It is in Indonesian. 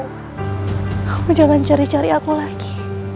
aku jangan cari cari aku lagi